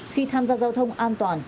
khi tham gia giao thông an toàn